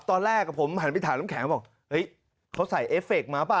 ตอนแรกผมหันไปถามน้ำแข็งบอกเฮ้ยเขาใส่เอฟเคมาเปล่า